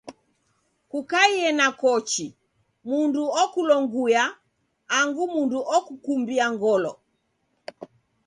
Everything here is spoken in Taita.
Kukaie na kochi, mndu okulonguya, angu mndu okukumbia ngolo.